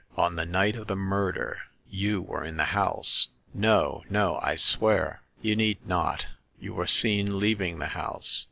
On the night of the murder; you were in the house.' " No, no ! I swear "You need not ; you were seen leaving the house.